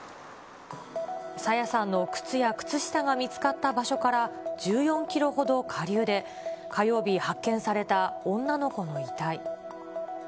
朝芽さんの靴や靴下が見つかった場所から、１４キロほど下流で、火曜日、発見された女の子の遺体。